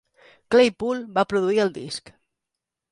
Claypool va produir el disc.